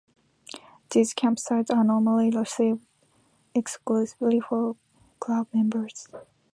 These campsites are normally reserved exclusively for Club members.